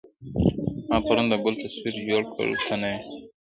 ما پرون د ګل تصویر جوړ کړ ته نه وې-